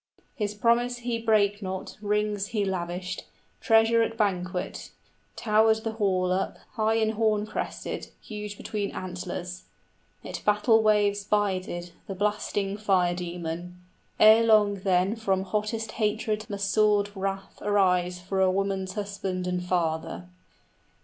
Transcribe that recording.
His promise he brake not, rings he lavished, Treasure at banquet. Towered the hall up High and horn crested, huge between antlers: 30 It battle waves bided, the blasting fire demon; Ere long then from hottest hatred must sword wrath Arise for a woman's husband and father.